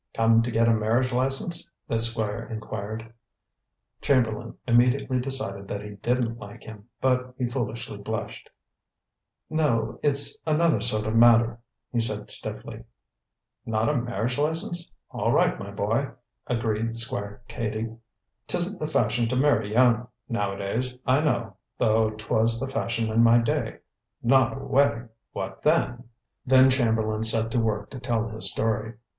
"Come to get a marriage license?" the squire inquired. Chamberlain immediately decided that he didn't like him, but he foolishly blushed. "No, it's another sort of matter," he said stiffly, "Not a marriage license! All right, my boy," agreed Squire Cady. "'Tisn't the fashion to marry young nowadays, I know, though 'twas the fashion in my day. Not a wedding! What then?" Then Chamberlain set to work to tell his story.